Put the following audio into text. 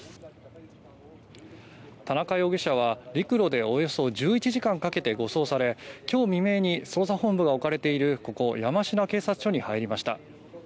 田中容疑者は陸路でおよそ１１時間かけて護送され今日未明に捜査本部が置かれているここ、山科警察署に入りました。